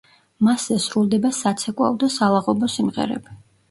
მასზე სრულდება საცეკვაო და სალაღობო სიმღერები.